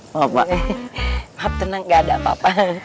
maaf maaf tenang gak ada apa apa